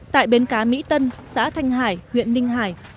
tại bến cá mỹ tân xã thanh hải huyện ninh hải